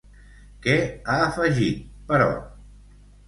Què ha afegit, però?